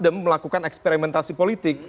dan melakukan eksperimentasi politik